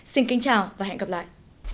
xin kính chào và hẹn gặp lại